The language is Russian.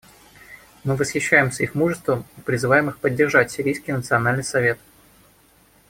Мы восхищаемся их мужеством и призываем их поддержать Сирийский национальный совет.